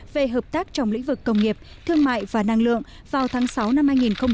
về hợp tác trong lĩnh vực công nghiệp thương mại và năng lượng vào tháng sáu năm hai nghìn hai mươi